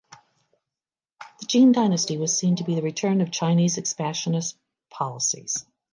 The Qing dynasty was seen to be the return of Chinese expansionist policies.